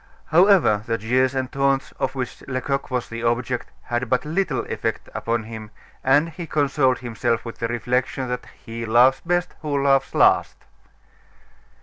However, the jeers and taunts of which Lecoq was the object had but little effect upon him, and he consoled himself with the reflection that, "He laughs best who laughs last."